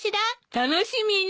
楽しみね！